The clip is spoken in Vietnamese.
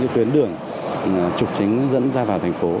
tuyến đường trục chính dẫn ra vào thành phố